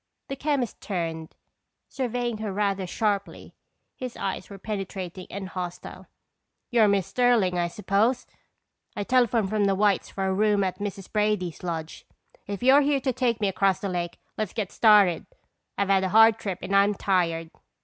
The chemist turned, surveying her rather sharply. His eyes were penetrating and hostile. "You're Miss Sterling, I suppose? I telephoned from the White's for a room at Mrs. Brady's lodge. If you're here to take me across the lake, let's get started. I've had a hard trip and I'm tired."